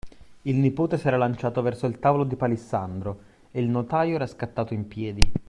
Il nipote s'era lanciato verso il tavolo di palissandro e il notaio era scattato in piedi.